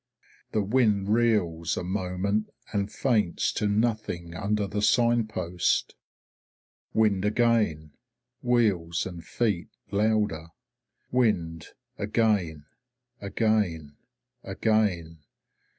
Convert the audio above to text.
The wind reels a moment and faints to nothing under the sign post. Wind again, wheels and feet louder. Wind again again again.